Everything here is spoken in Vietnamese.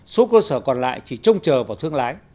số cơ sở còn lại chỉ trông chờ vào thương lái